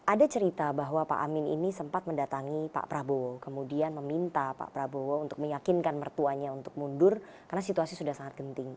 ada cerita bahwa pak amin ini sempat mendatangi pak prabowo kemudian meminta pak prabowo untuk meyakinkan mertuanya untuk mundur karena situasi sudah sangat genting